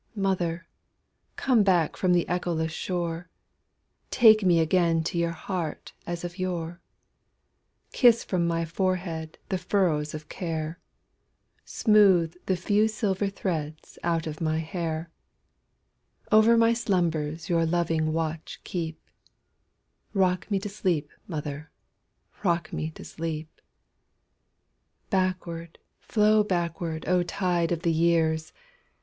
Mother, come back from the echoless shore, Take me again to your heart as of yore; Kiss from my forehead the furrows of care, Smooth the few silver threads out of my hair; Over my slumbers your loving watch keep;—Rock me to sleep, mother,—rock me to sleep! Backward, flow backward, O tide of the years!